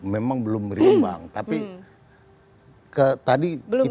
memang belum berimbang tapi tadi kita